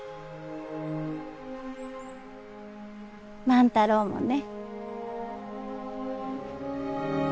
万太郎もね。